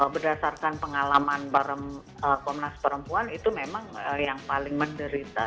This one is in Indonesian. berdasarkan pengalaman bareng komnas perempuan itu memang yang paling menderita